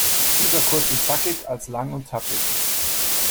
Lieber kurz und zackig als lang und tappig.